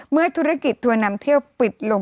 เมื่อธุรกิจทัวร์นำเที่ยวปิดลง